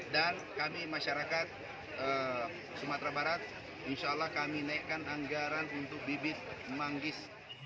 dan kami masyarakat sumatera barat insya allah kami naikkan anggaran untuk bibit manggis